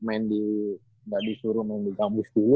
enggak disuruh main di kampus dulu